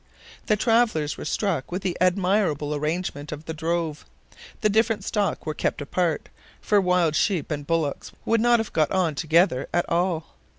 The travelers were struck with the admirable arrangement of the drove. The different stock were kept apart, for wild sheep and bullocks would not have got on together at all.